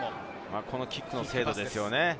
このキックの精度ですよね。